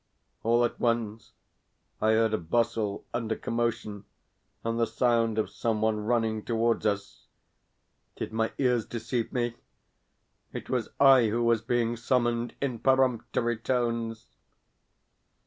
All at once I heard a bustle and a commotion and the sound of someone running towards us. Did my ears deceive me? It was I who was being summoned in peremptory tones!